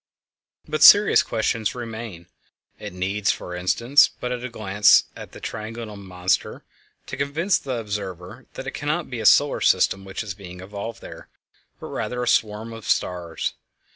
But serious questions remain. It needs, for instance, but a glance at the Triangulum monster to convince the observer that it cannot be a solar system which is being evolved there, but rather a swarm of stars.